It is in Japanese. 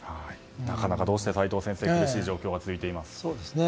なかなかどうして齋藤先生厳しい状況が続いていますね。